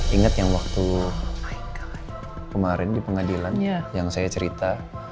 ingat yang waktu kemarin di pengadilan yang saya cerita